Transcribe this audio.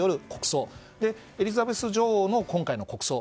そしてエリザベス女王の今回の国葬